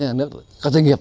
cho nhà nước các doanh nghiệp